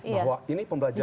bahwa ini pembelajaran